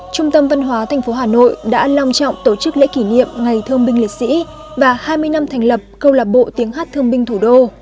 trung tâm văn hóa thành phố hà nội đã long trọng tổ chức lễ kỷ niệm ngày thương binh liệt sĩ và hai mươi năm thành lập câu lạc bộ tiếng hát thương binh thủ đô